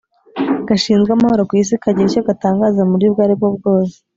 gashinzwe amahoro ku isi kagira icyo gatangaza mu buryo ubwo ari bwo bwose